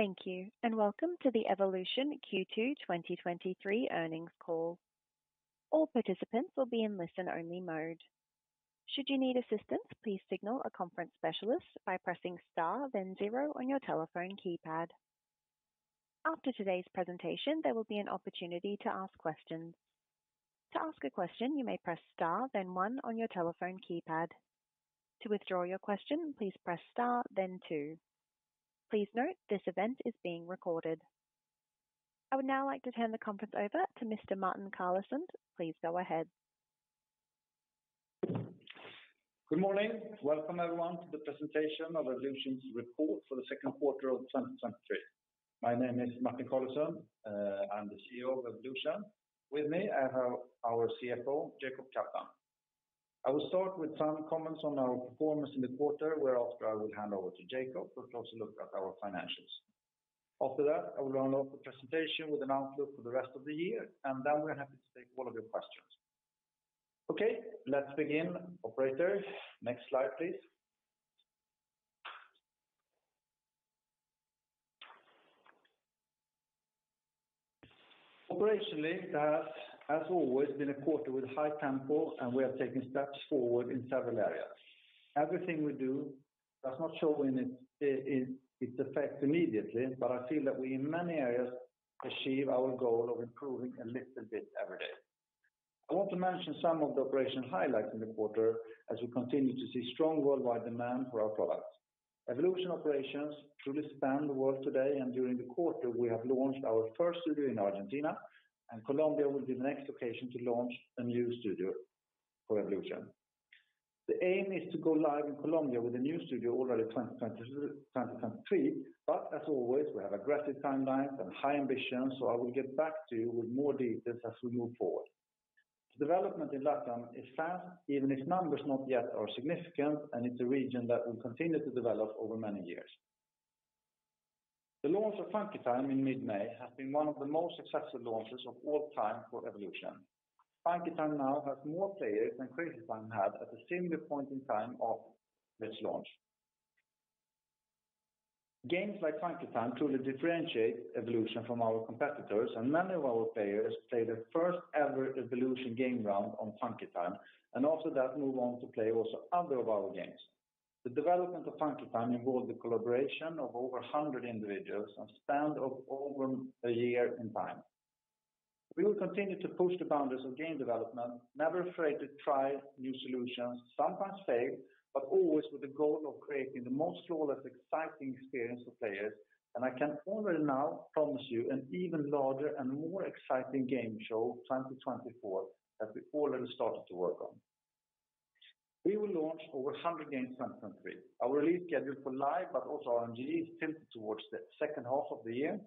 Thank you, and welcome to the Evolution Q2 2023 earnings call. All participants will be in listen-only mode. Should you need assistance, please signal a conference specialist by pressing star then zero on your telephone keypad. After today's presentation, there will be an opportunity to ask questions. To ask a question, you may press star then one on your telephone keypad. To withdraw your question, please press star then two. Please note, this event is being recorded. I would now like to hand the conference over to Mr. Martin Carlesund. Please go ahead. Good morning. Welcome, everyone, to the presentation of Evolution's report for the 2nd quarter of 2023. My name is Martin Carlesund, I'm the CEO of Evolution. With me, I have our CFO, Jacob Kaplan. I will start with some comments on our performance in the quarter, whereafter I will hand over to Jacob, who will also look at our financials. I will run over the presentation with an outlook for the rest of the year, and then we're happy to take all of your questions. Let's begin. Operator, next slide, please. Operationally, it has, as always, been a quarter with high tempo, and we are taking steps forward in several areas. Everything we do does not show in its effect immediately, but I feel that we, in many areas, achieve our goal of improving a little bit every day. I want to mention some of the operational highlights in the quarter as we continue to see strong worldwide demand for our products. Evolution operations truly span the world today, and during the quarter, we have launched our first studio in Argentina, and Colombia will be the next location to launch a new studio for Evolution. The aim is to go live in Colombia with a new studio already 2023, but as always, we have aggressive timelines and high ambitions, so I will get back to you with more details as we move forward. The development in Latin is fast, even if numbers not yet are significant, and it's a region that will continue to develop over many years. The launch of Funky Time in mid-May has been one of the most successful launches of all time for Evolution. Funky Time now has more players than Crazy Time had at a similar point in time of its launch. Games like Funky Time truly differentiate Evolution from our competitors. Many of our players play their first ever Evolution game round on Funky Time, and after that, move on to play also other of our games. The development of Funky Time involved the collaboration of over 100 individuals and spanned of over a year in time. We will continue to push the boundaries of game development, never afraid to try new solutions, sometimes fail, but always with the goal of creating the most flawless, exciting experience for players. I can already now promise you an even larger and more exciting game show 2024, that we've already started to work on. We will launch over 100 games in 2023. Our release schedule for live, but also RNG, is tilted towards the second half of the year.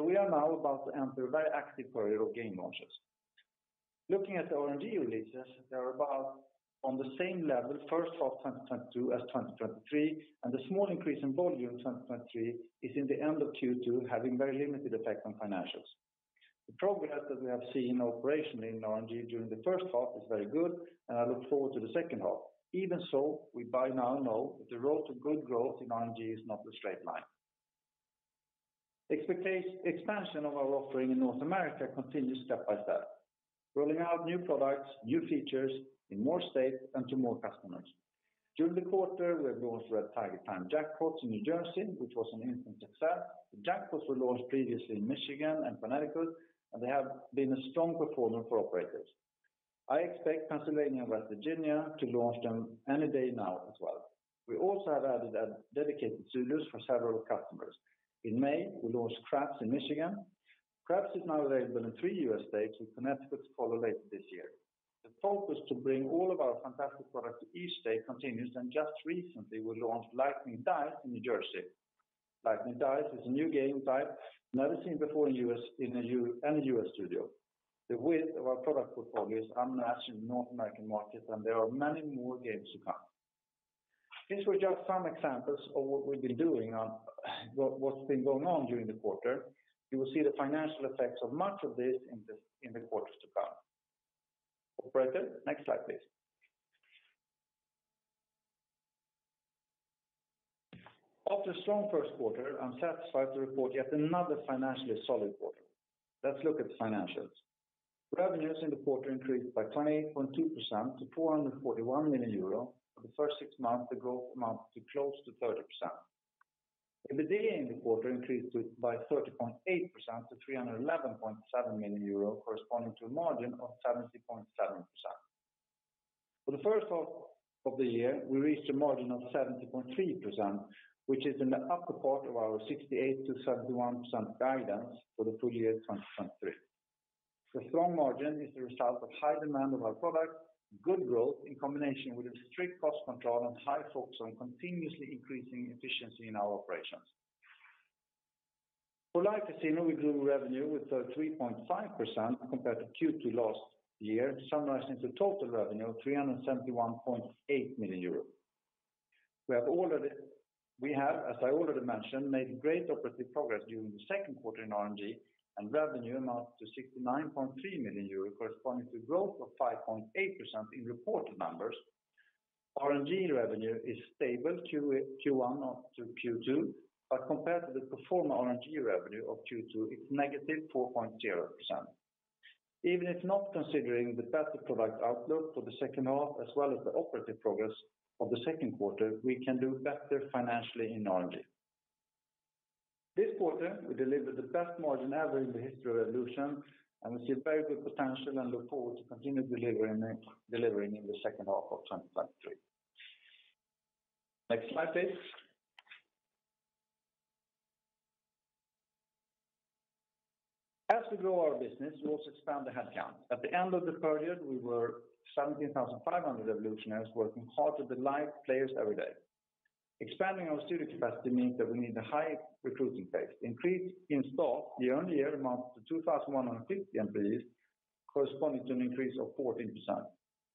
We are now about to enter a very active period of game launches. Looking at the RNG releases, they are about on the same level, first half of 2022 as 2023. The small increase in volume in 2023 is in the end of Q2, having very limited effect on financials. The progress that we have seen operationally in RNG during the first half is very good. I look forward to the second half. We by now know that the road to good growth in RNG is not a straight line. Expansion of our offering in North America continues step by step, rolling out new products, new features in more states, and to more customers. During the quarter, we have launched Red Tiger Timed Jackpots in New Jersey, which was an instant success. The jackpots were launched previously in Michigan and Connecticut, and they have been a strong performer for operators. I expect Pennsylvania and West Virginia to launch them any day now as well. We also have added a dedicated studios for several customers. In May, we launched Craps in Michigan. Craps is now available in three US states, with Connecticut to follow later this year. The focus to bring all of our fantastic products to each state continues. Just recently, we launched Lightning Dice in New Jersey. Lightning Dice is a new game type, never seen before in any US studio. The width of our product portfolio is unmatched in the North American market, and there are many more games to come. These were just some examples of what we've been doing and what's been going on during the quarter. You will see the financial effects of much of this in the quarters to come. Operator, next slide please. After a strong first quarter, I'm satisfied to report yet another financially solid quarter. Let's look at the financials. Revenues in the quarter increased by 28.2% to 441 million euro. For the first six months, the growth amount to close to 30%. EBITDA in the quarter increased by 30.8% to 311.7 million euro, corresponding to a margin of 70.7%. For the first half of the year, we reached a margin of 70.3%, which is in the upper part of our 68%-71% guidance for the full year 2023. The strong margin is the result of high demand of our products, good growth, in combination with a strict cost control and high focus on continuously increasing efficiency in our operations. For Live Casino, we grew revenue with 33.5% compared to Q2 last year, summarizing to total revenue of 371.8 million euros. We have, as I already mentioned, made great operative progress during the second quarter in RNG, and revenue amounts to 69.3 million euros, corresponding to growth of 5.8% in reported numbers. RNG revenue is stable Q1 up to Q2. Compared to the pro forma RNG revenue of Q2, it's negative 4.0%. Even if not considering the better product outlook for the second half as well as the operative progress of the second quarter, we can do better financially in RNG. This quarter, we delivered the best margin ever in the history of Evolution. We see a very good potential and look forward to continue delivering in the second half of 2023. Next slide, please. As we grow our business, we also expand the headcount. At the end of the period, we were 17,500 Evolutioners working hard to delight players every day. Expanding our studio capacity means that we need a high recruiting pace. Increase in stock, year-on-year amount to 2,150 employees, corresponding to an increase of 14%.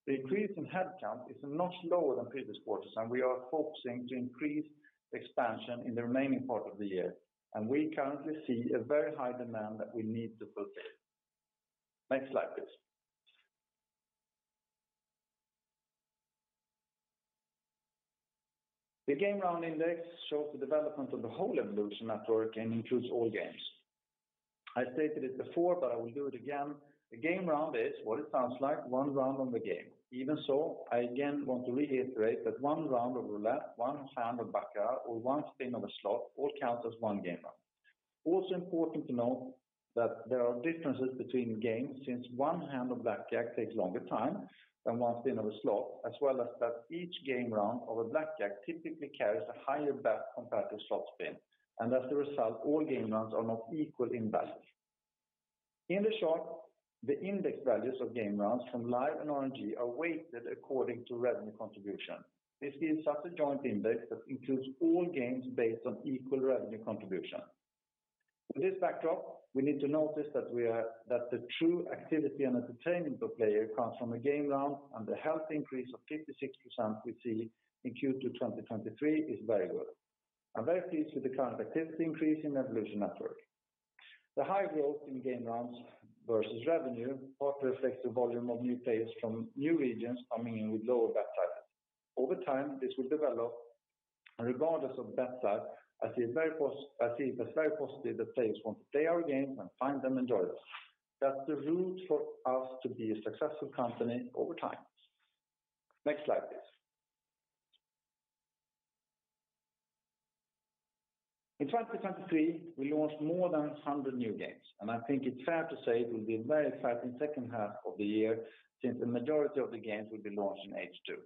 The increase in headcount is not slower than previous quarters. We are focusing to increase expansion in the remaining part of the year. We currently see a very high demand that we need to fulfill. Next slide, please. The game round index shows the development of the whole Evolution network and includes all games. I stated it before. I will do it again. The game round is what it sounds like, one round on the game. Even so, I again want to reiterate that one round of roulette, one hand of baccarat, or one spin of a slot, all count as one game round. Also important to note that there are differences between games, since one hand of blackjack takes longer time than one spin of a slot, as well as that each game round of a blackjack typically carries a higher bet compared to slot spin, and as a result, all game rounds are not equal in bets. In the short, the index values of game rounds from Live and RNG are weighted according to revenue contribution. This gives us a joint index that includes all games based on equal revenue contribution. With this backdrop, we need to notice that the true activity and entertainment of player comes from a game round, and the health increase of 56% we see in Q2 2023 is very good. I'm very pleased with the current activity increase in Evolution network. The high growth in game rounds versus revenue partly reflects the volume of new players from new regions coming in with lower bet size. Over time, this will develop. Regardless of bet size, I see it as very positive that players want to play our games and find them enjoyable. That's the route for us to be a successful company over time. Next slide, please. In 2023, we launched more than 100 new games. I think it's fair to say it will be a very exciting second half of the year, since the majority of the games will be launched in H2.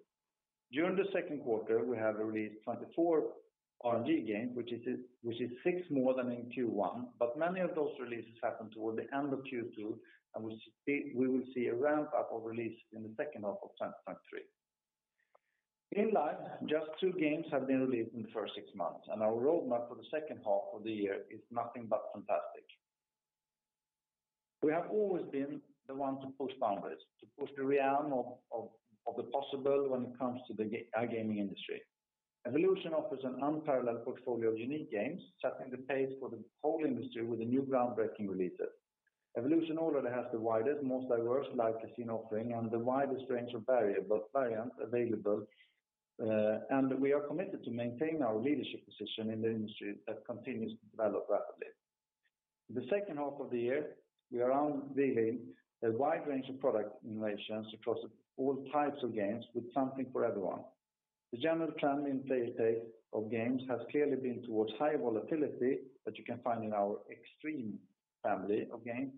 During the second quarter, we have released 24 RNG games, which is six more than in Q1. Many of those releases happened toward the end of Q2, we will see a ramp-up of release in the second half of 2023. In Live, just two games have been released in the first six months. Our roadmap for the second half of the year is nothing but fantastic. We have always been the one to push boundaries, to push the realm of the possible when it comes to our gaming industry. Evolution offers an unparalleled portfolio of unique games, setting the pace for the whole industry with the new groundbreaking releases. Evolution already has the widest, most diverse live casino offering and the widest range of barrier variants available, we are committed to maintain our leadership position in the industry that continues to develop rapidly. In the second half of the year, we are unveiling a wide range of product innovations across all types of games with something for everyone. The general trend in play state of games has clearly been towards high volatility that you can find in our Xtreme family of games,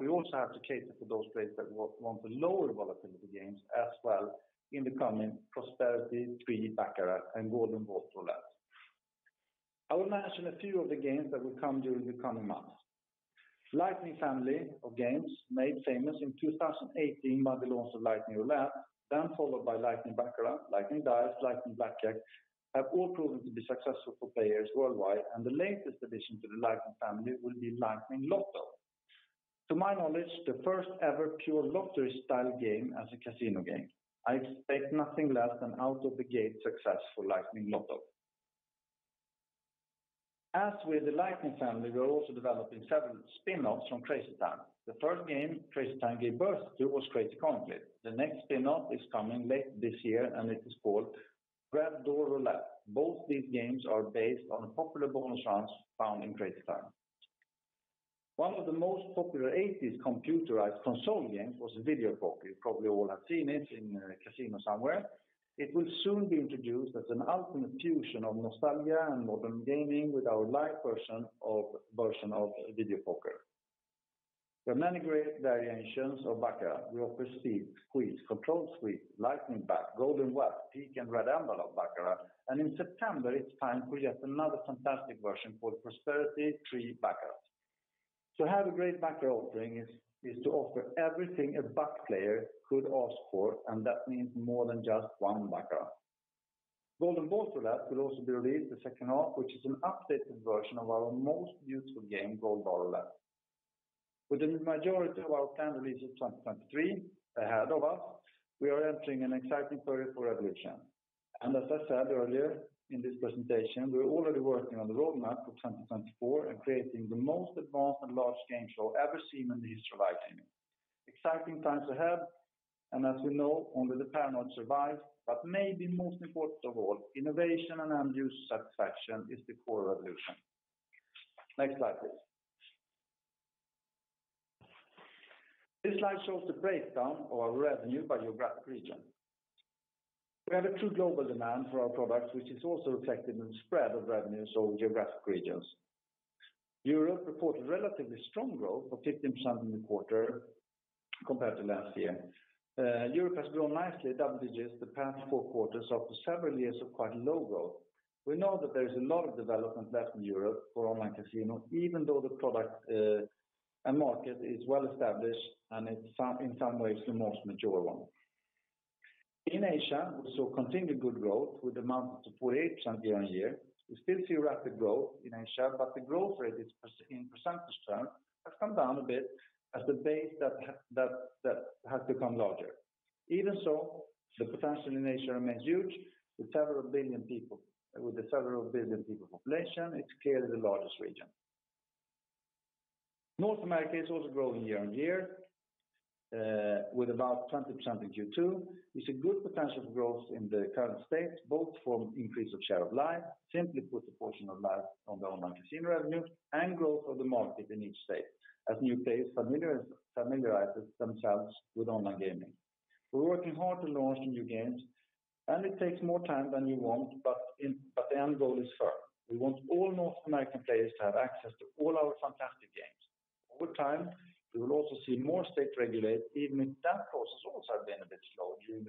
we also have to cater for those players that want the lower volatility games as well in the coming Prosperity Tree Baccarat and Golden Wheel Roulette. I will mention a few of the games that will come during the coming months. Lightning family of games, made famous in 2018 by the launch of Lightning Roulette, then followed by Lightning Baccarat, Lightning Dice, Lightning Blackjack, have all proven to be successful for players worldwide, and the latest addition to the Lightning family will be Lightning Lotto. To my knowledge, the first ever pure lottery-style game as a casino game. I expect nothing less than out of the gate success for Lightning Lotto. As with the Lightning family, we are also developing several spin-offs from Crazy Time. The first game Crazy Time gave birth to was Crazy Coin Flip. The next spin-off is coming late this year, and it is called Red Door Roulette. Both these games are based on a popular bonus rounds found in Crazy Time. One of the most popular 80s computerized console games was Video Poker. You probably all have seen it in a casino somewhere. It will soon be introduced as an ultimate fusion of nostalgia and modern gaming with our live version of Video Poker. There are many great variations of Baccarat. We offer Squeeze, Control Squeeze, Lightning Bacc, Golden Wealth Baccarat, Peek and Red Envelope Baccarat, and in September, it's time for yet another fantastic version called Prosperity Tree Baccarat. To have a great Baccarat offering is to offer everything a Bac player could ask for, and that means more than just one Baccarat. Golden Wheel Roulette will also be released the second half, which is an updated version of our most beautiful game, Gold Bar Roulette. With the majority of our planned releases in 2023 ahead of us, we are entering an exciting period for Evolution. As I said earlier in this presentation, we're already working on the roadmap for 2024 and creating the most advanced and large game show ever seen in the history of iGaming. Exciting times ahead, and as we know, only the paranoid survives, but maybe most important of all, innovation and end user satisfaction is the core of Evolution. Next slide, please. This slide shows the breakdown of our revenue by geographic region. We have a true global demand for our products, which is also reflected in the spread of revenues or geographic regions. Europe reported relatively strong growth of 15% in the quarter compared to last year. Europe has grown nicely, double digits, the past four quarters after several years of quite low growth. We know that there is a lot of development left in Europe for online casino, even though the product and market is well established, and in some ways, the most mature one. In Asia, we saw continued good growth with amounts of 48% year-on-year. We still see rapid growth in Asia, but the growth rate is in percentage terms, have come down a bit as the base that has become larger. Even so, the potential in Asia remains huge, with the several billion people population, it's clearly the largest region. North America is also growing year-on-year, with about 20% in Q2. We see good potential growth in the current state, both from increase of share of live, simply put, the portion of live on the online casino revenue and growth of the market in each state as new players familiarizes themselves with iGaming. We're working hard to launch new games, and it takes more time than we want, but the end goal is firm. We want all North American players to have access to all our fantastic games. Over time, we will also see more states regulate, even if that process also has been a bit slow during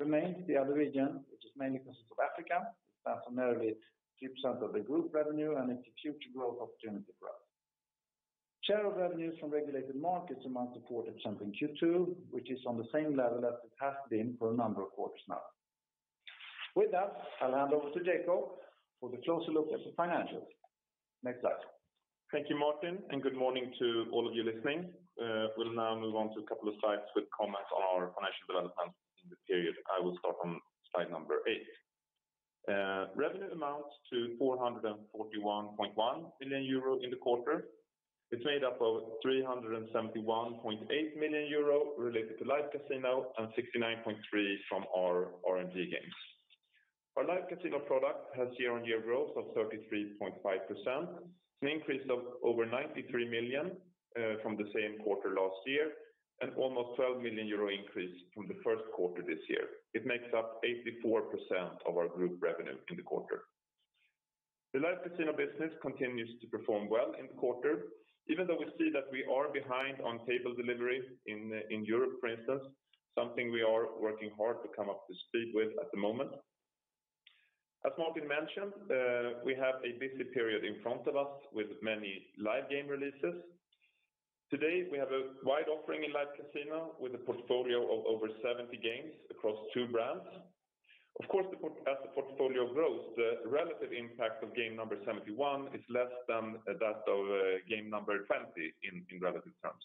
the last year, we expect it to pick up going forward. Latin, currently makes up for 7% of our total revenue in the quarter, and we believe it is a region with great potential and good momentum. We have initiated the construction of additional state-of-the-art studio in Latin America to cover the demand we see and the market, and we have already launched a new studio in Argentina. Remains the other region, which is mainly consists of Africa, stands on nearly deep percent of the group revenue, and it's a future growth opportunity growth. Share of revenues from regulated markets amounts to 40% in Q2, which is on the same level as it has been for a number of quarters now. With that, I'll hand over to Jacob for the closer look at the financials. Next slide. Thank you, Martin. Good morning to all of you listening. We'll now move on to a couple of slides with comments on our financial development in the period. I will start on slide number eight. Revenue amounts to 441.1 million euro in the quarter. It's made up of 371.8 million euro related to Live Casino and 69.3 million from our RNG games. Our Live Casino product has year-on-year growth of 33.5%, an increase of over 93 million from the same quarter last year, and almost 12 million euro increase from the first quarter this year. It makes up 84% of our group revenue in the quarter. The Live Casino business continues to perform well in the quarter, even though we see that we are behind on table delivery in Europe, for instance, something we are working hard to come up to speed with at the moment. As Martin mentioned, we have a busy period in front of us with many live game releases. Today, we have a wide offering in Live Casino with a portfolio of over 70 games across two brands. Of course, as the portfolio grows, the relative impact of game number 71 is less than that of game number 20 in relative terms.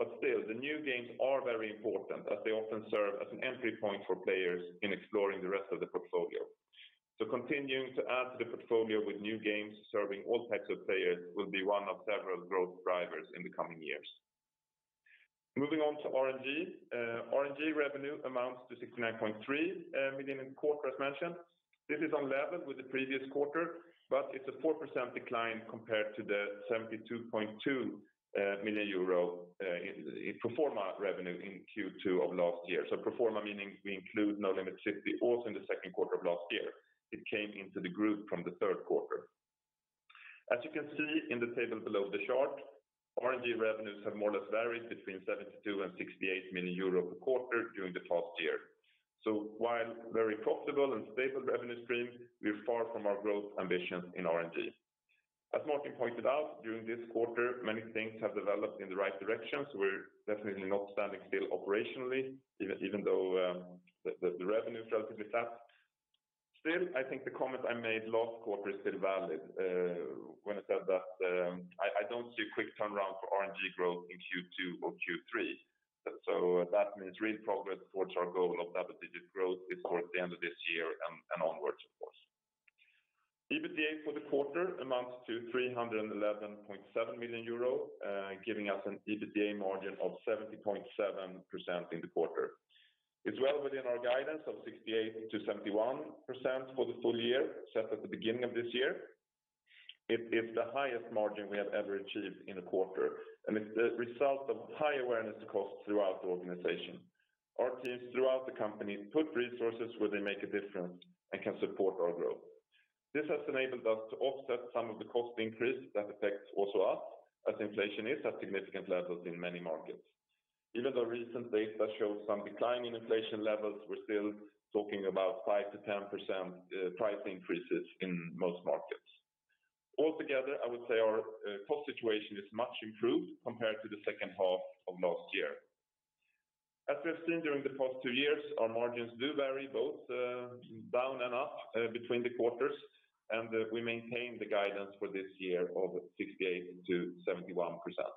Still, the new games are very important as they often serve as an entry point for players in exploring the rest of the portfolio. Continuing to add to the portfolio with new games, serving all types of players will be one of several growth drivers in the coming years. Moving on to RNG. RNG revenue amounts to 69.3 million in quarter, as mentioned. This is on level with the previous quarter, but it's a 4% decline compared to the 72.2 million euro in pro forma revenue in Q2 of last year. Pro forma, meaning we include Nolimit City, also in the second quarter of last year. It came into the group from the third quarter. As you can see in the table below the chart, RNG revenues have more or less varied between 72 million and 68 million euro per quarter during the past year. While very profitable and stable revenue stream, we're far from our growth ambitions in RNG. As Martin pointed out, during this quarter, many things have developed in the right direction, so we're definitely not standing still operationally, even though the revenue is relatively flat. Still, I think the comment I made last quarter is still valid when I said that I don't see a quick turnaround for RNG growth in Q2 or Q3. That means real progress towards our goal of double-digit growth before the end of this year and onwards, of course. EBITDA for the quarter amounts to 311.7 million euro, giving us an EBITDA margin of 70.7% in the quarter. It's well within our guidance of 68%-71% for the full year, set at the beginning of this year. It is the highest margin we have ever achieved in a quarter, and it's the result of high awareness costs throughout the organization. Our teams throughout the company put resources where they make a difference and can support our growth. This has enabled us to offset some of the cost increase that affects also us, as inflation is at significant levels in many markets. Even though recent data shows some decline in inflation levels, we're still talking about 5%-10% price increases in most markets. Altogether, I would say our cost situation is much improved compared to the second half of last year. As we have seen during the past two years, our margins do vary both down and up between the quarters, and we maintain the guidance for this year of 68%-71%. Operator,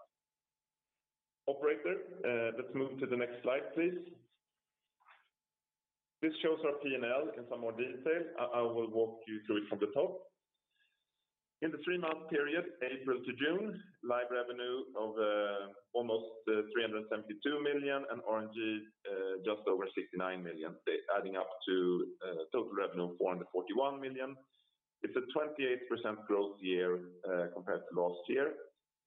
let's move to the next slide, please. This shows our P&L in some more detail. I will walk you through it from the top. In the three-month period, April to June, live revenue of almost 372 million, and RNG just over 69 million, adding up to a total revenue of 441 million. It's a 28% growth year compared to last year.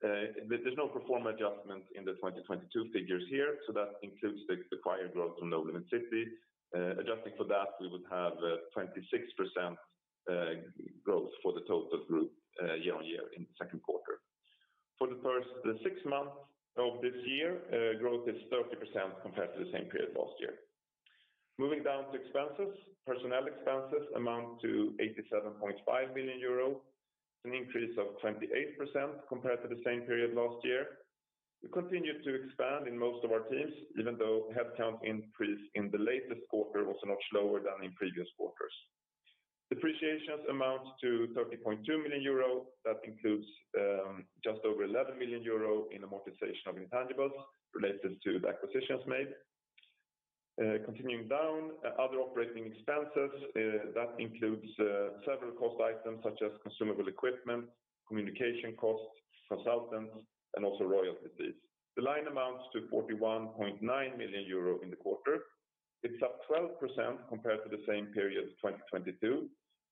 There's no performance adjustment in the 2022 figures here, so that includes the acquired growth from Nolimit City. Adjusting for that, we would have a 26% growth for the total group year-over-year in the second quarter. For the six months of this year, growth is 30% compared to the same period last year. Moving down to expenses, personnel expenses amount to 87.5 million euros, an increase of 28% compared to the same period last year. We continued to expand in most of our teams, even though headcount increase in the latest quarter was much lower than in previous quarters. Depreciations amount to 30.2 million euro. That includes just over 11 million euro in amortization of intangibles related to the acquisitions made. Continuing down, other operating expenses, that includes several cost items such as consumable equipment, communication costs, consultants, and also royalties. The line amounts to 41.9 million euro in the quarter. It's up 12% compared to the same period of 2022.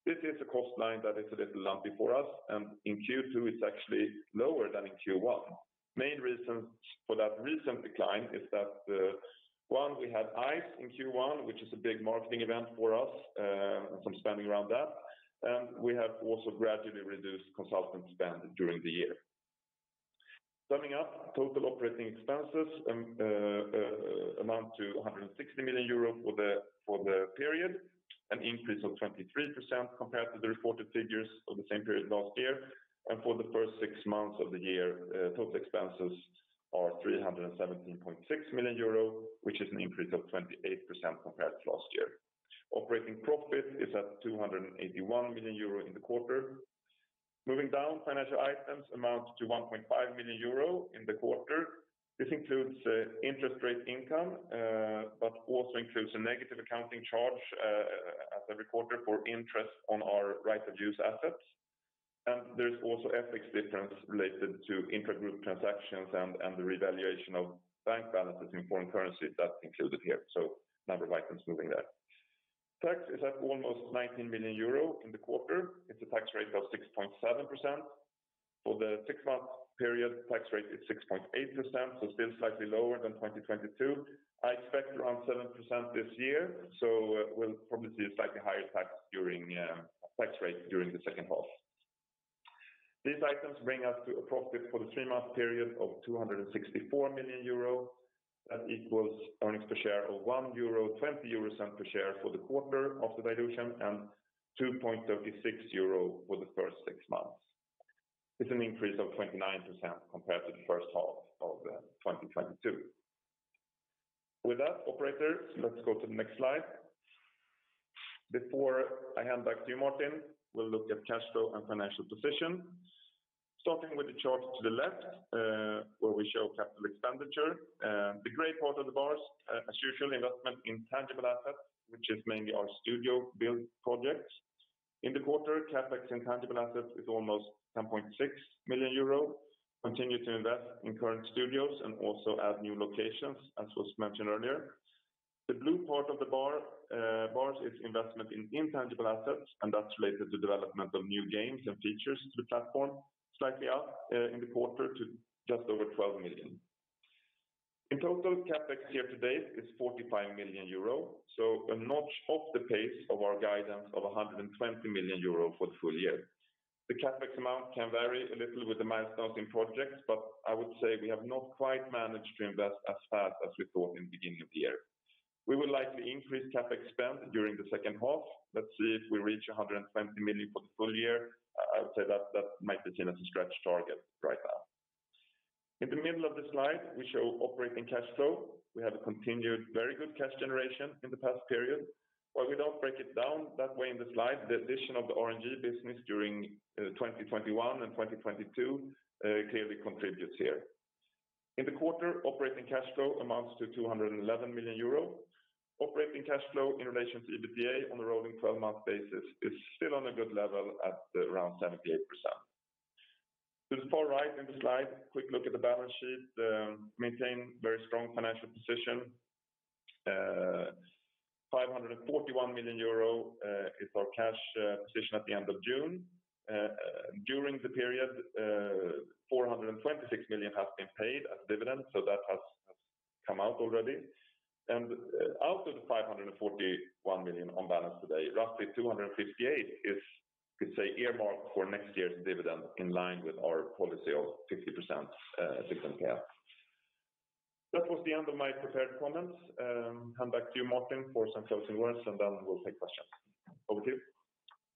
This is a cost line that is a little lumpy for us, and in Q2, it's actually lower than in Q1. Main reason for that recent decline is that one, we had ICE in Q1, which is a big marketing event for us, and some spending around that, and we have also gradually reduced consultant spend during the year. Summing up, total operating expenses amount to 160 million euro for the period, an increase of 23% compared to the reported figures of the same period last year. For the first six months of the year, total expenses are 317.6 million euro, which is an increase of 28% compared to last year. Operating profit is at 281 million euro in the quarter. Moving down, financial items amount to 1.5 million euro in the quarter. This includes interest rate income, also includes a negative accounting charge, as every quarter for interest on our right to use assets. There's also FX difference related to intragroup transactions and the revaluation of bank balances in foreign currency that's included here. Number of items moving there. Tax is at almost 19 million euro in the quarter. It's a tax rate of 6.7%. For the six-month period, tax rate is 6.8%, so still slightly lower than 2022. I expect around 7% this year, so we'll probably see a slightly higher tax during tax rate during the second half. These items bring us to a profit for the three-month period of 264 million euro. That equals earnings per share of 1.20 euro per share for the quarter of the dilution, and 2.36 euro for the first six months. It's an increase of 29% compared to the first half of 2022. With that, operator, let's go to the next slide. Before I hand back to you, Martin, we'll look at cash flow and financial position. Starting with the chart to the left, where we show capital expenditure, the gray part of the bars, as usual, investment in tangible assets, which is mainly our studio build projects. In the quarter, CapEx in tangible assets is almost 10.6 million euro. Continue to invest in current studios and also add new locations, as was mentioned earlier. The blue part of the bar, bars is investment in intangible assets. That's related to development of new games and features to the platform, slightly up in the quarter to just over 12 million. In total, CapEx year to date is 45 million euro, a notch off the pace of our guidance of 120 million euro for the full year. The CapEx amount can vary a little with the milestones in projects. I would say we have not quite managed to invest as fast as we thought in the beginning of the year. We would like to increase CapEx spend during the second half. Let's see if we reach 120 million for the full year. I would say that might be seen as a stretch target right now. In the middle of the slide, we show operating cash flow. We have a continued very good cash generation in the past period. While we don't break it down that way in the slide, the addition of the RNG business during 2021 and 2022, clearly contributes here. In the quarter, operating cash flow amounts to 211 million euro. Operating cash flow in relation to EBITDA on a rolling 12-month basis is still on a good level at around 78%. To the far right in the slide, quick look at the balance sheet, maintain very strong financial position. 541 million euro, is our cash position at the end of June. During the period, 426 million has been paid as dividends, so that has come out already. Out of the 541 million on balance today, roughly 258 million is, we say, earmarked for next year's dividend, in line with our policy of 50% dividend payout. That was the end of my prepared comments. Hand back to you, Martin, for some closing words, and then we'll take questions. Over to you.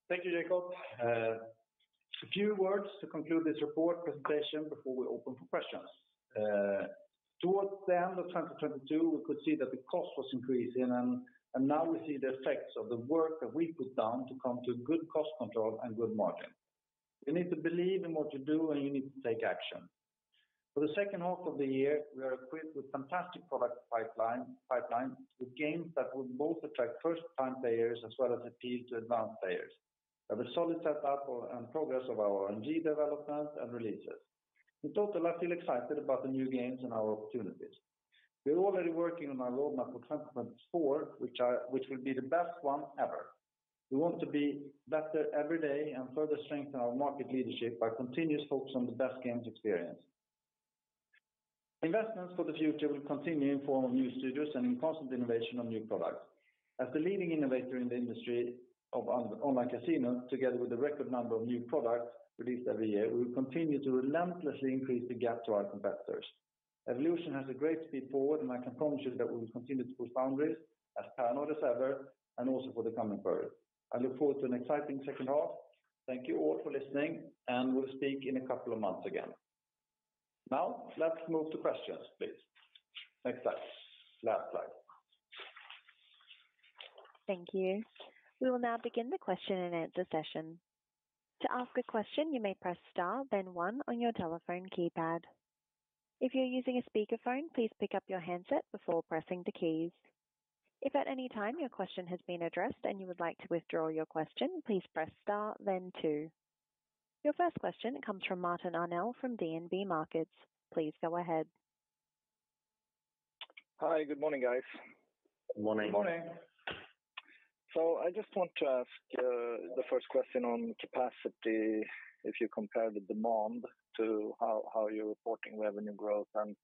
Thank you, Jacob. A few words to conclude this report presentation before we open for questions. Towards the end of 2022, we could see that the cost was increasing, and now we see the effects of the work that we put down to come to good cost control and good margin. You need to believe in what you do, and you need to take action. For the second half of the year, we are equipped with fantastic product pipeline, with games that will both attract first-time players as well as appeal to advanced players. Have a solid setup and progress of our RNG development and releases. In total, I feel excited about the new games and our opportunities. We're already working on our roadmap for 2024, which will be the best one ever. We want to be better every day and further strengthen our market leadership by continuous focus on the best games experience. Investments for the future will continue in form of new studios and in constant innovation on new products. As the leading innovator in the industry of online casino, together with a record number of new products released every year, we will continue to relentlessly increase the gap to our competitors. Evolution has a great speed forward. I can promise you that we will continue to push boundaries as paranoid as ever and also for the coming period. I look forward to an exciting second half. Thank you all for listening, and we'll speak in a couple of months again. Now, let's move to questions, please. Next slide. Last slide. Thank you. We will now begin the question-and-answer session. To ask a question, you may press star then one on your telephone keypad. If you're using a speakerphone, please pick up your handset before pressing the keys. If at any time your question has been addressed and you would like to withdraw your question, please press star then two. Your first question comes from Martin Arnell from DNB Markets. Please go ahead. Hi, good morning, guys. Morning. Morning. I just want to ask, the first question on capacity, if you compare the demand to how you're reporting revenue growth and,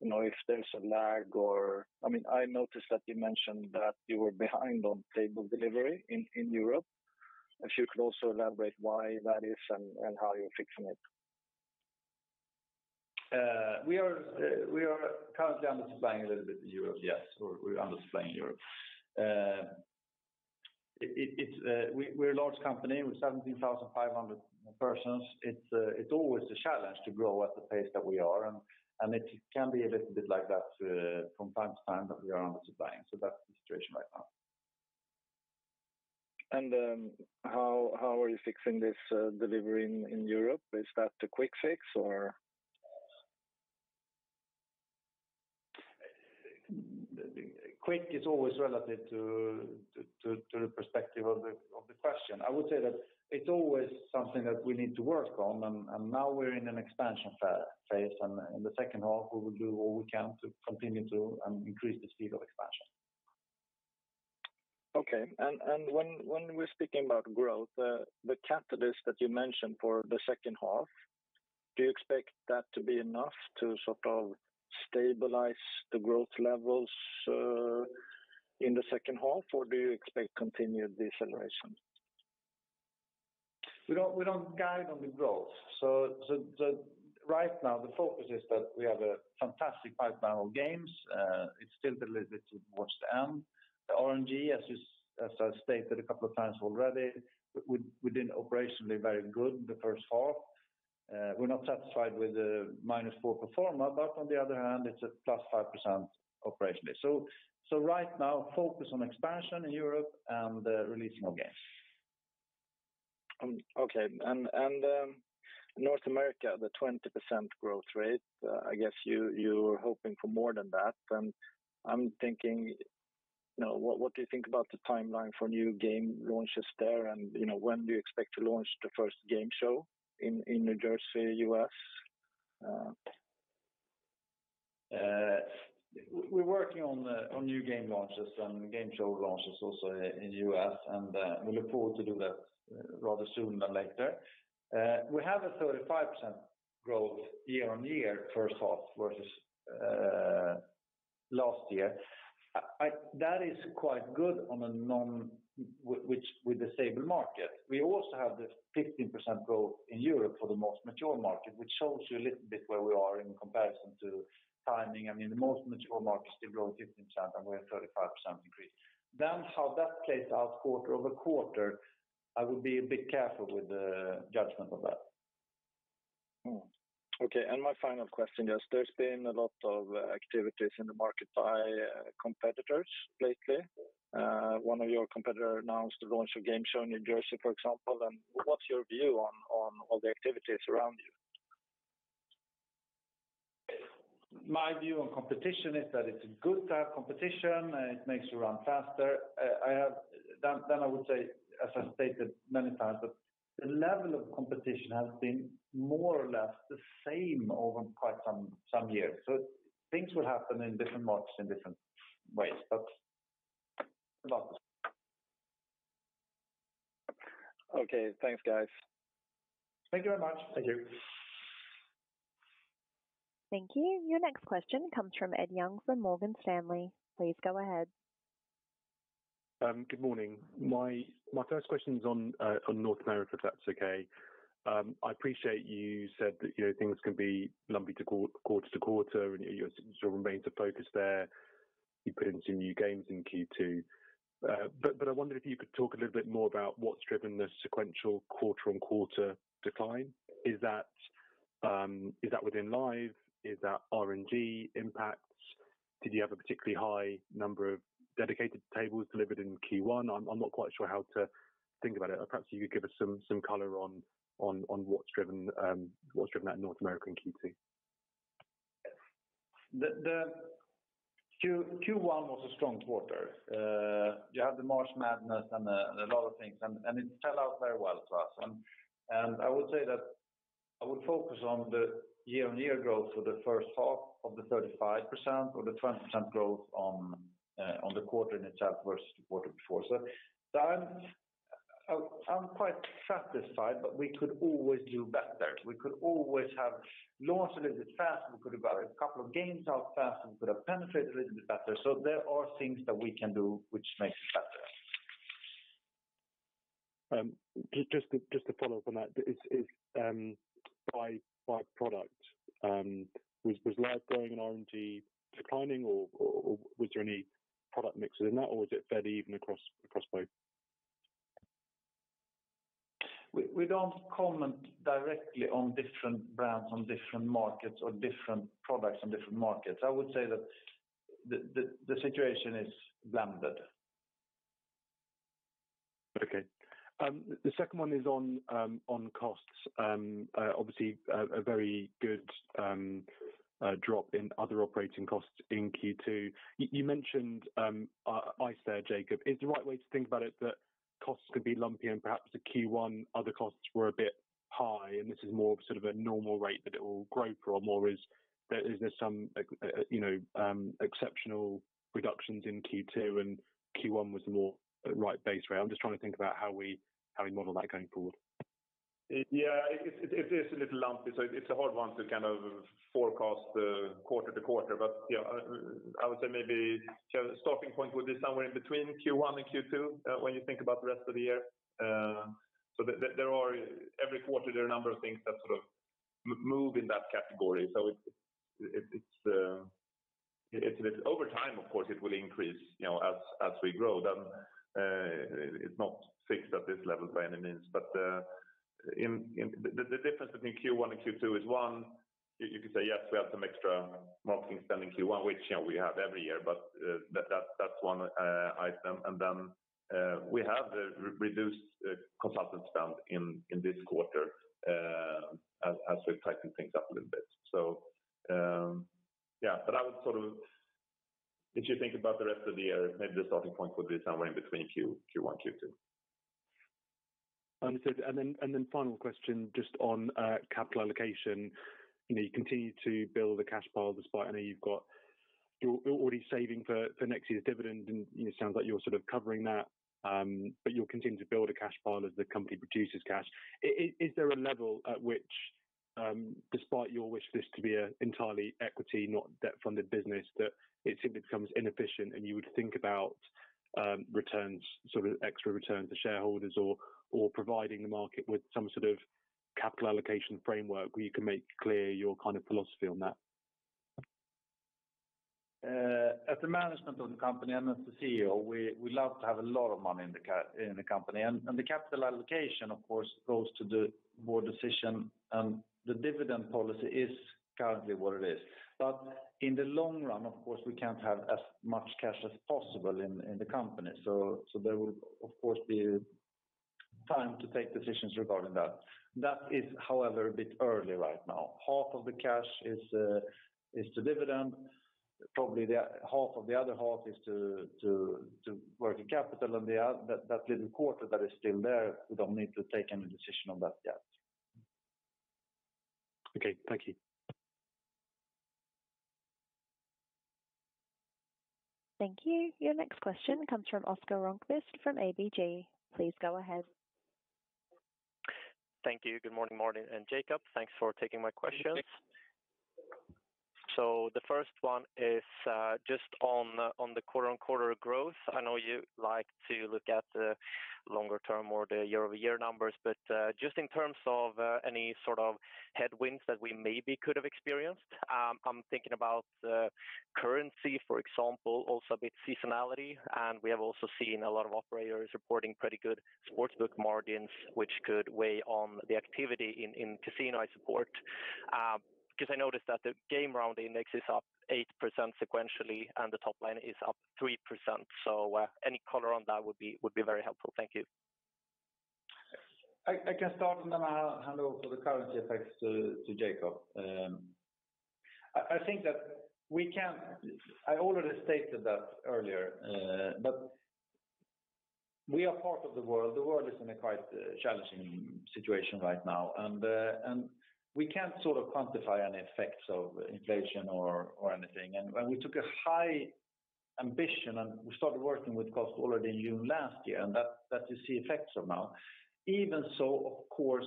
you know, if there's a lag or, I mean, I noticed that you mentioned that you were behind on table delivery in Europe. If you could also elaborate why that is and how you're fixing it. We are currently undersupplying a little bit in Europe. We're undersupplying Europe. It's we're a large company with 17,500 persons. It's always a challenge to grow at the pace that we are, and it can be a little bit like that, from time to time, that we are undersupplying. That's the situation right now. how are you fixing this delivery in Europe? Is that a quick fix, or? Quick is always relative to the perspective of the question. I would say that it's always something that we need to work on, and now we're in an expansion phase. In the second half, we will do all we can to continue to and increase the speed of expansion. Okay. When we're speaking about growth, the catalyst that you mentioned for the second half, do you expect that to be enough to sort of stabilize the growth levels, in the second half, or do you expect continued deceleration? We don't guide on the growth. Right now, the focus is that we have a fantastic pipeline of games. It's still a little bit towards the end. The RNG, as I stated a couple of times already, we did operationally very good in the first half. We're not satisfied with the -4% pro forma, but on the other hand, it's a +5% operationally. Right now, focus on expansion in Europe and the releasing of games. Okay. North America, the 20% growth rate, I guess you were hoping for more than that. I'm thinking, you know, what do you think about the timeline for new game launches there? You know, when do you expect to launch the first game show in New Jersey, US? We're working on new game launches and game show launches also in US. We look forward to do that rather sooner than later. We have a 35% growth year-over-year, first half versus last year. That is quite good on a stable market. We also have the 15% growth in Europe for the most mature market, which shows you a little bit where we are in comparison to timing. I mean, the most mature market still grow 15%, and we have 35% increase. How that plays out quarter-over-quarter, I would be a bit careful with the judgment of that. Okay, my final question is, there's been a lot of activities in the market by competitors lately. One of your competitor announced the launch of game show in New Jersey, for example, and what's your view on all the activities around you? My view on competition is that it's good to have competition, and it makes you run faster. Then I would say, as I stated many times, that the level of competition has been more or less the same over quite some years. Things will happen in different markets in different ways, but about the same. Okay, thanks, guys. Thank you very much. Thank you. Thank you. Your next question comes from Ed Young from Morgan Stanley. Please go ahead. Good morning. My first question is on North America, if that's okay. I appreciate you said that, you know, things can be lumpy quarter to quarter, and you sort of remain to focus there. You put in some new games in Q2. I wonder if you could talk a little bit more about what's driven the sequential quarter on quarter decline. Is that within live? Is that RNG impacts? Did you have a particularly high number of dedicated tables delivered in Q1? I'm not quite sure how to think about it. Perhaps you could give us some color on what's driven that North American Q2. The Q1 was a strong quarter. You have the March Madness and a lot of things, and it fell out very well to us. I would say that I would focus on the year-on-year growth for the first half of the 35% or the 20% growth on the quarter in itself versus the quarter before. I'm quite satisfied, but we could always do better. We could always have launched a little bit faster, we could have got a couple of games out faster, we could have penetrated a little bit better. There are things that we can do which makes it better. Just to follow up on that, is by product, was Live growing and RNG declining, or was there any product mixes in that, or was it fairly even across both? We don't comment directly on different brands, on different markets or different products on different markets. I would say that the situation is blended. Okay. The second one is on on costs. Obviously, a very good drop in other operating costs in Q2. You mentioned ICE, Jacob. Is the right way to think about it that costs could be lumpy and perhaps the Q1 other costs were a bit high, and this is more of sort of a normal rate that it will grow, or more is there some, you know, exceptional reductions in Q2 and Q1 was the more right base rate? I'm just trying to think about how we, how we model that going forward. It is a little lumpy, so it's a hard one to kind of forecast quarter to quarter. I would say maybe the starting point would be somewhere in between Q1 and Q2 when you think about the rest of the year. Every quarter, there are a number of things that sort of move in that category. Over time, of course, it will increase, you know, as we grow, then it's not fixed at this level by any means. The difference between Q1 and Q2 is one, you could say, yes, we have some extra marketing spend in Q1, which, you know, we have every year, but that's one item. Then, we have the re-reduced consultant spend in this quarter, as we've tightened things up a little bit. Yeah, but I would sort of. If you think about the rest of the year, maybe the starting point would be somewhere in between Q1, Q2. Understood. Then, final question, just on capital allocation. You know, you continue to build a cash pile despite I know you're already saving for next year's dividend, and, you know, sounds like you're sort of covering that, but you'll continue to build a cash pile as the company produces cash. Is there a level at which, despite your wish for this to be an entirely equity, not debt-funded business, that it simply becomes inefficient and you would think about returns, sort of extra returns to shareholders or providing the market with some sort of capital allocation framework where you can make clear your kind of philosophy on that? As the management of the company and as the CEO, we love to have a lot of money in the company. The capital allocation, of course, goes to the board decision, and the dividend policy is currently what it is. In the long run, of course, we can't have as much cash as possible in the company. There will, of course, be time to take decisions regarding that. That is, however, a bit early right now. Half of the cash is the dividend, probably the half of the other half is to working capital, and that little quarter that is still there, we don't need to take any decision on that yet. Okay, thank you. Thank you. Your next question comes from Oscar Rönnkvist, from ABG. Please go ahead. Thank you. Good morning, Martin and Jacob. Thanks for taking my questions. Thanks. The first one is just on the quarter-on-quarter growth. I know you like to look at the longer term or the year-over-year numbers, but just in terms of any sort of headwinds that we maybe could have experienced, I'm thinking about currency, for example, also a bit seasonality. We have also seen a lot of operators reporting pretty good sportsbook margins, which could weigh on the activity in casino-wide support. Because I noticed that the game round index is up 8% sequentially, and the top line is up 3%. Any color on that would be very helpful. Thank you. I can start, and then I'll hand over the currency effects to Jacob. I think that we can't. I already stated that earlier, but we are part of the world. The world is in a quite challenging situation right now, and we can't sort of quantify any effects of inflation or anything. When we took a high ambition, and we started working with cost already in June last year, and that is the effects of now. Even so, of course,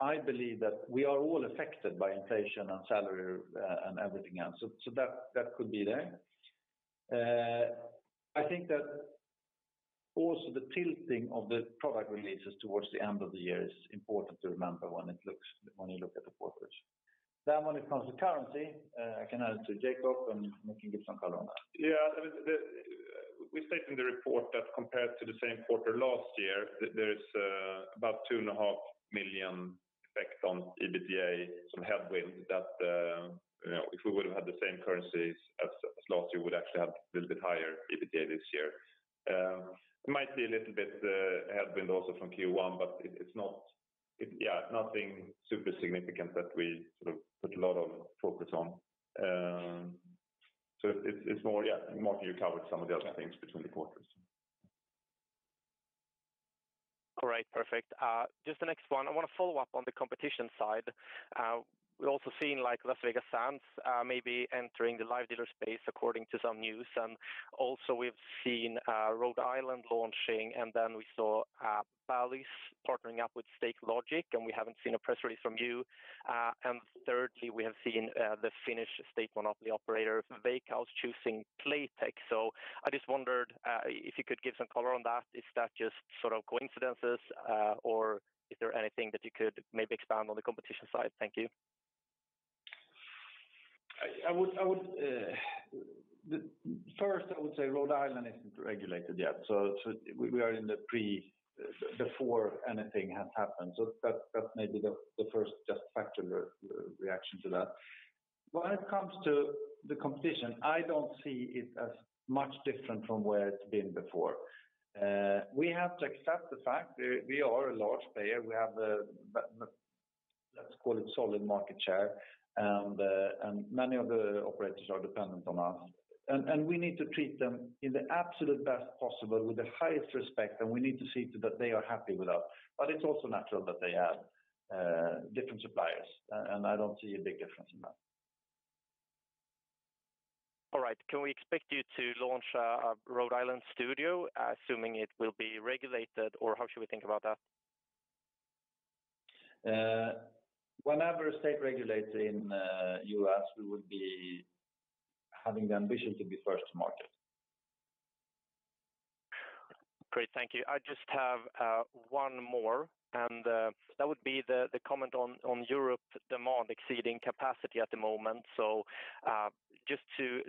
I believe that we are all affected by inflation and salary, and everything else. So that could be there. I think that also the tilting of the product releases towards the end of the year is important to remember when you look at the quarters. When it comes to currency, I can add it to Jacob, and he can give some color on that. Yeah, we state in the report that compared to the same quarter last year, there's about 2.5 million effect on EBITDA, some headwind that, you know, if we would have had the same currencies as last year, we would actually have a little bit higher EBITDA this year. It might be a little bit headwind also from Q1, but it's not. Yeah, nothing super significant that we sort of put a lot of focus on. It's more, yeah, Martin, you covered some of the other things between the quarters. All right, perfect. Just the next one, I wanna follow up on the competition side. Also, we've also seen, like, Las Vegas Sands maybe entering the live dealer space, according to some news. We've seen Rhode Island launching, then we saw Bally's partnering up with Stakelogic, we haven't seen a press release from you. Thirdly, we have seen the Finnish state monopoly operator, Veikkaus, choosing Playtech. I just wondered if you could give some color on that. Is that just sort of coincidences, or is there anything that you could maybe expand on the competition side? Thank you. First, I would say Rhode Island isn't regulated yet, before anything has happened. That may be the first just factual reaction to that. When it comes to the competition, I don't see it as much different from where it's been before. We have to accept the fact that we are a large player. We have a, let's call it, solid market share, and many of the operators are dependent on us. We need to treat them in the absolute best possible, with the highest respect, and we need to see to that they are happy with us. It's also natural that they have different suppliers, and I don't see a big difference in that. All right. Can we expect you to launch a Rhode Island studio, assuming it will be regulated, or how should we think about that? whenever a state regulates in, US, we would be having the ambition to be first to market. Great, thank you. I just have one more, that would be the comment on Europe demand exceeding capacity at the moment. Just to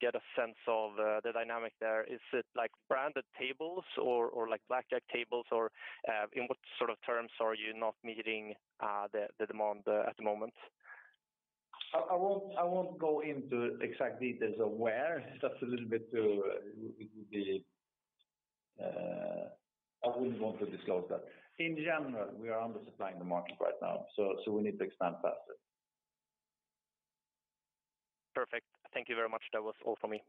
get a sense of the dynamic there, is it like branded tables or like blackjack tables, or in what sort of terms are you not meeting the demand at the moment? I won't go into exact details of where. That's a little bit too, it would be, I wouldn't want to disclose that. In general, we are undersupplying the market right now, we need to expand faster. Perfect. Thank you very much. That was all for me.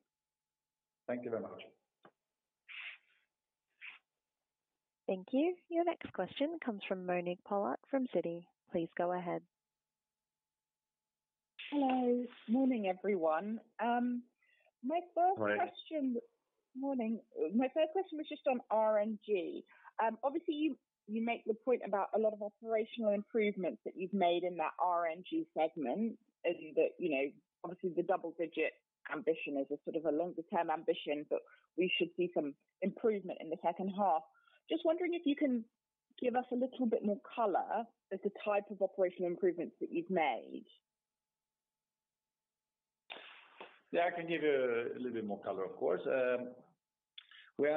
Thank you very much. Thank you. Your next question comes from Monique Pollard from Citi. Please go ahead. Hello. Morning, everyone. My first question. Morning. Morning. My first question was just on RNG. Obviously, you make the point about a lot of operational improvements that you've made in that RNG segment, and that, you know, obviously, the double-digit ambition is a sort of a longer-term ambition, but we should see some improvement in the second half. Just wondering if you can give us a little bit more color as the type of operational improvements that you've made. I can give you a little bit more color, of course. We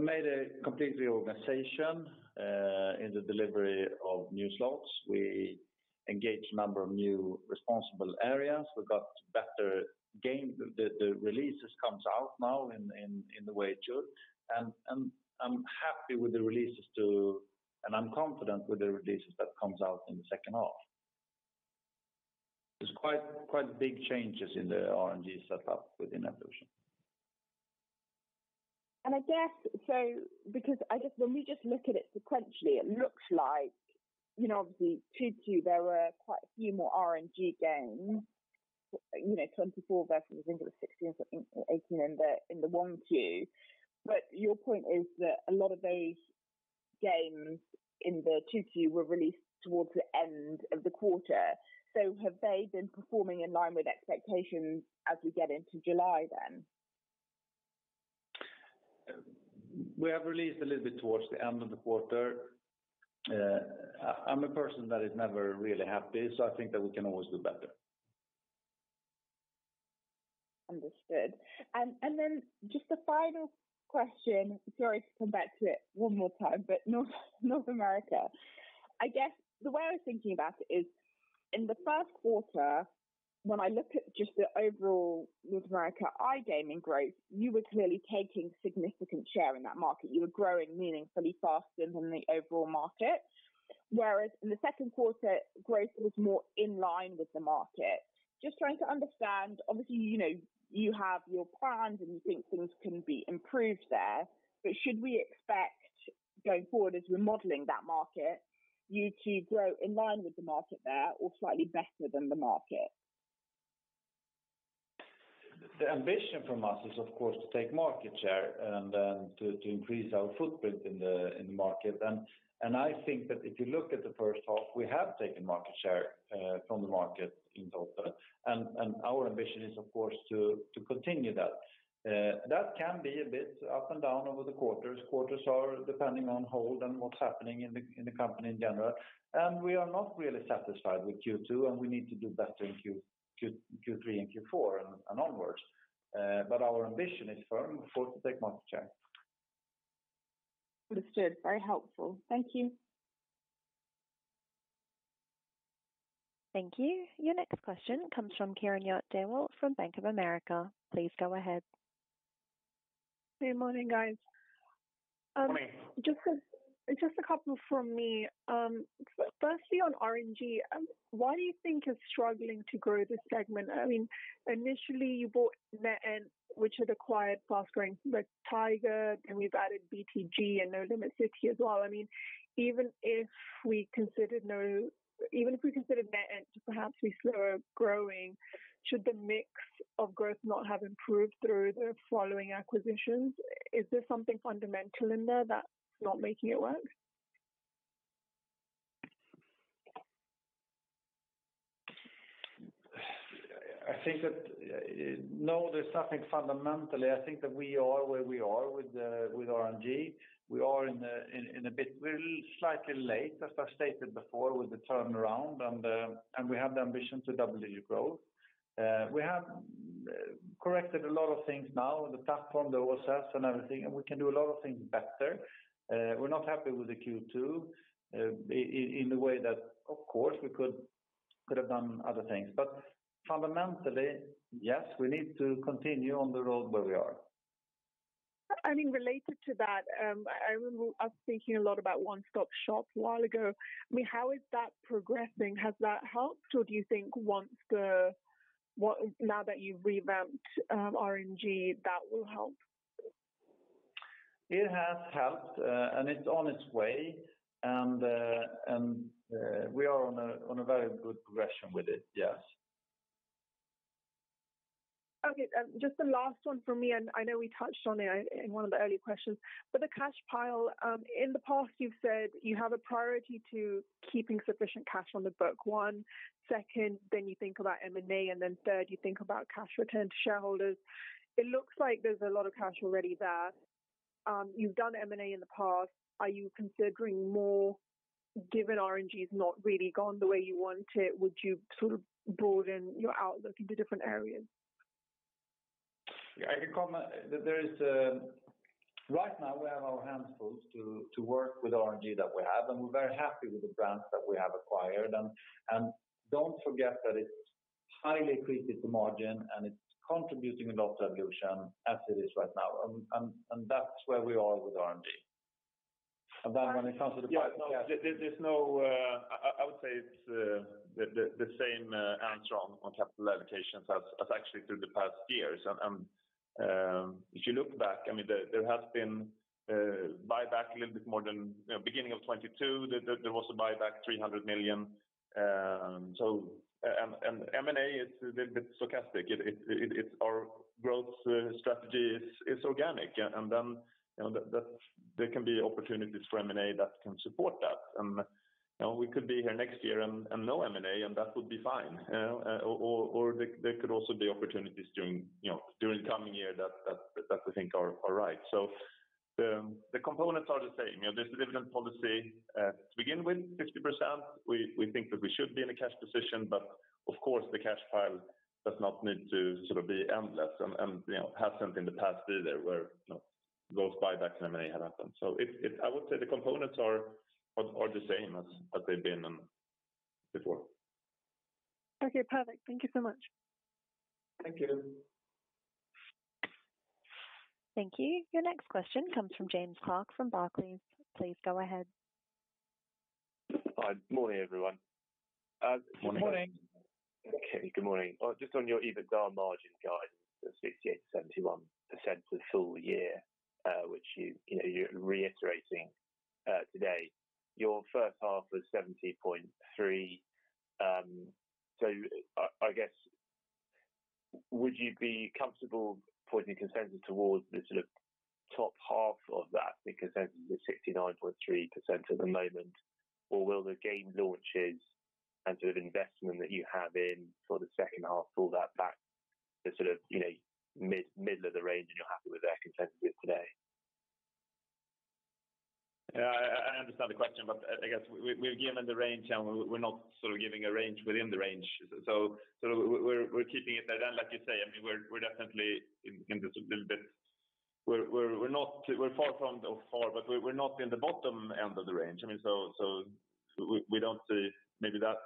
made a complete reorganization in the delivery of new slots. We engaged a number of new responsible areas. We got better game. The releases comes out now in the way it should, and I'm happy with the releases and I'm confident with the releases that comes out in the second half. There's quite big changes in the RNG setup within Evolution. I guess, because I just when we just look at it sequentially, it looks like, you know, obviously, Q2, there were quite a few more RNG games, you know, 24 versus I think it was 16 or something, 18 in the 1Q. Your point is that a lot of those games in the Q2 were released towards the end of the quarter. Have they been performing in line with expectations as we get into July, then? We have released a little bit towards the end of the quarter. I'm a person that is never really happy, so I think that we can always do better. Understood. Then just a final question, sorry to come back to it one more time, North America. I guess the way I was thinking about it is, in the first quarter, when I look at just the overall North America, iGaming growth, you were clearly taking significant share in that market. You were growing meaningfully faster than the overall market, whereas in the second quarter, growth was more in line with the market. Just trying to understand, obviously, you know, you have your plans and you think things can be improved there, should we expect, going forward as we're modeling that market, you to grow in line with the market there or slightly better than the market? The ambition from us is, of course, to take market share and then to increase our footprint in the market. I think that if you look at the first half, we have taken market share from the market in total. Our ambition is, of course, to continue that. That can be a bit up and down over the quarters. Quarters are depending on hold and what's happening in the company in general. We are not really satisfied with Q2, and we need to do better in Q3 and Q4 and onwards. Our ambition is firm for to take market share. Understood. Very helpful. Thank you. Thank you. Your next question comes from Kiranjot Grewal from Bank of America. Please go ahead. Good morning, guys. Morning. just a couple from me. firstly, on RNG, why do you think you're struggling to grow this segment? I mean, initially, you bought NetEnt, which had acquired fast-growing Red Tiger, and you've added BTG and Nolimit City as well. I mean, even if we considered NetEnt to perhaps be slower growing, should the mix of growth not have improved through the following acquisitions? Is there something fundamental in there that's not making it work? I think that. No, there's nothing fundamentally. I think that we are where we are with RNG. We are in a bit. We're slightly late, as I stated before, with the turnaround, and we have the ambition to double the growth. We have corrected a lot of things now, the platform, the OSS and everything, and we can do a lot of things better. We're not happy with the Q2 in the way that, of course, we could have done other things. Fundamentally, yes, we need to continue on the road where we are. I mean, related to that, I remember us thinking a lot about one-stop shop a while ago. I mean, how is that progressing? Has that helped, or do you think now that you've revamped RNG, that will help? It has helped, and it's on its way, and we are on a very good progression with it. Yes. Okay, just the last one for me, I know we touched on it in one of the earlier questions. The cash pile, in the past, you've said you have a priority to keeping sufficient cash on the book, one. Second, you think about M&A, then third, you think about cash return to shareholders. It looks like there's a lot of cash already there. You've done M&A in the past. Are you considering more, given RNG is not really gone the way you want it, would you sort of broaden your outlook into different areas? I can comment. There is a. Right now, we have our hands full to work with RNG that we have, and we're very happy with the brands that we have acquired. Don't forget that it's highly accretive to margin, and it's contributing a lot to Evolution as it is right now. That's where we are with RNG. When it comes to the. Yeah, no, there's no. I would say it's the same answer on capital allocations as actually through the past years. If you look back, I mean, there has been buyback a little bit more than, you know, beginning of 2022, there was a buyback, 300 million. M&A is a little bit stochastic. It's our growth strategy is organic, you know, that there can be opportunities for M&A that can support that. You know, we could be here next year and no M&A, and that would be fine. Or there could also be opportunities during, you know, during the coming year that we think are right. The components are the same. You know, there's a dividend policy to begin with, 50%. We think that we should be in a cash position, but of course, the cash pile does not need to sort of be endless, and, you know, hasn't in the past either, where, you know, those buybacks and M&A have happened. I would say the components are the same as they've been before. Okay, perfect. Thank you so much. Thank you. Thank you. Your next question comes from James Clark, from Barclays. Please go ahead. Hi. Good morning, everyone. Good morning. Good morning. Good morning. Just on your EBITDA margin guidance of 68%-71% for the full year, which you know, you're reiterating today. Your first half was 70.3%. I guess, would you be comfortable pointing consensus towards the sort of top half of that, the consensus is 69.3% at the moment, or will the game launches and sort of investment that you have in for the second half pull that back to sort of, you know, mid-middle of the range, and you're happy with that consensus today? Yeah, I understand the question, but I guess we're given the range, and we're not sort of giving a range within the range. We're keeping it there. Like you say, I mean, we're definitely in this a little bit. We're far from the far, but we're not in the bottom end of the range. I mean, we don't see maybe that.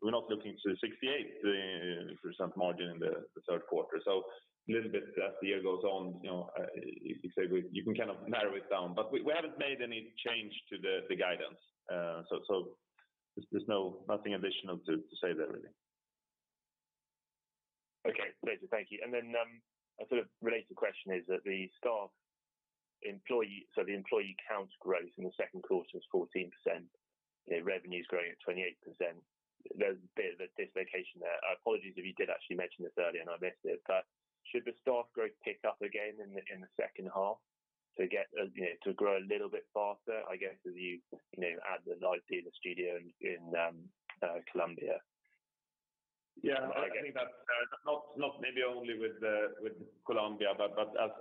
We're not looking to 68% margin in the third quarter. A little bit as the year goes on, you know, you could say you can kind of narrow it down. We haven't made any change to the guidance. There's nothing additional to say there really. Okay, great. Thank you. A sort of related question is that the employee count growth in the second quarter is 14%, the revenue is growing at 28%. There's a bit of a dislocation there. I apologies if you did actually mention this earlier, and I missed it. Should the staff growth pick up again in the second half to get, you know, to grow a little bit faster, I guess, as you know, add the 90 in the studio in Colombia? Yeah, I think that's not maybe only with Colombia, but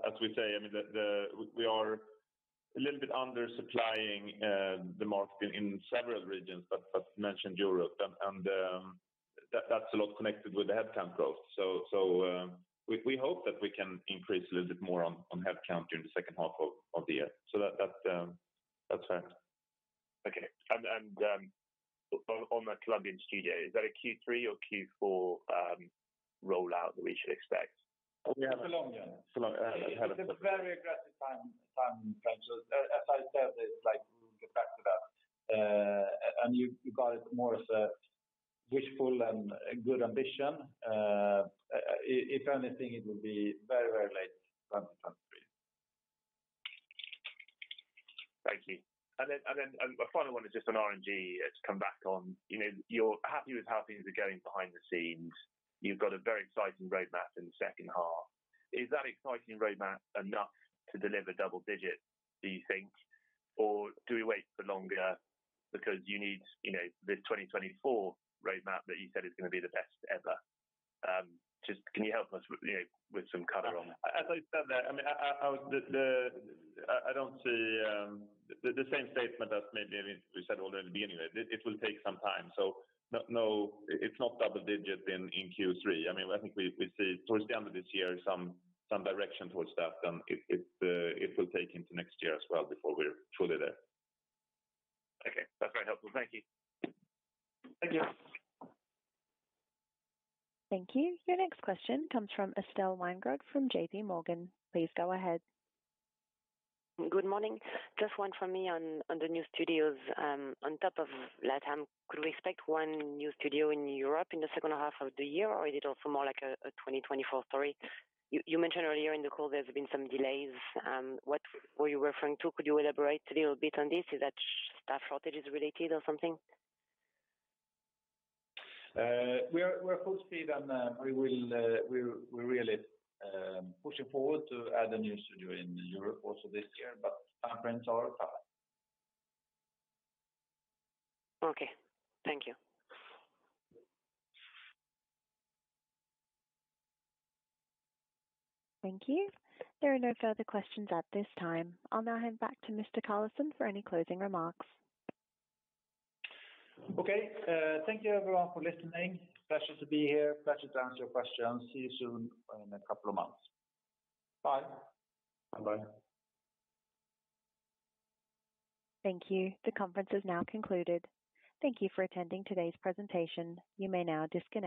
as we say, I mean, the we are a little bit under supplying the market in several regions, but mentioned Europe, and that's a lot connected with the headcount growth. We hope that we can increase a little bit more on headcount during the second half of the year. That's right. Okay. On the Colombian studio, is that a Q3 or Q4 rollout that we should expect? Yeah. Colombia. Colombia. It's a very aggressive time frame. As I said, it's like we get back to that, and you got it more as a wishful and a good ambition. If anything, it will be very late than 3. Thank you. My final one is just on RNG to come back on. You know, you're happy with how things are going behind the scenes. You've got a very exciting roadmap in the second half. Is that exciting roadmap enough to deliver double digits, do you think? Or do we wait for longer because you need, you know, the 2024 roadmap that you said is gonna be the best ever. Just can you help us with, you know, with some color on that? As I said that, I mean, I was the, I don't see the same statement as maybe I said already in the beginning. It will take some time, so no, it's not double digit in Q3. I mean, I think we see towards the end of this year, some direction towards that, it will take into next year as well before we're truly there. Okay. That's very helpful. Thank you. Thank you. Thank you. Your next question comes from Estelle Weingrod, from JP Morgan. Please go ahead. Good morning. Just one from me on the new studios. On top of LatAm, could we expect one new studio in Europe in the second half of the year, or is it also more like a 2024 story? You mentioned earlier in the call there's been some delays. What were you referring to? Could you elaborate a little bit on this? Is that staff shortage related or something? We're full speed, and we're really pushing forward to add a new studio in Europe also this year, but time frames are tight. Okay. Thank you. Thank you. There are no further questions at this time. I'll now hand back to Mr. Carlesund for any closing remarks. Okay. Thank you, everyone, for listening. Pleasure to be here. Pleasure to answer your questions. See you soon in a couple of months. Bye. Bye-bye. Thank you. The conference is now concluded. Thank you for attending today's presentation. You may now disconnect.